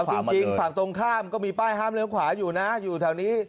จริงฝั่งตรงข้ามก็มีป้ายห้ามเลี้ยขวาอยู่นะอยู่แถวนี้